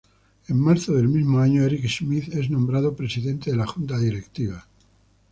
En marzo del mismo año Eric Schmidt es nombrado presidente de la junta directiva.